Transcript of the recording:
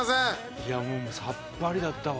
いやもうさっぱりだったわ。